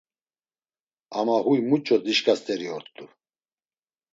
Ama huy muç̌o dişǩa st̆eri ort̆u.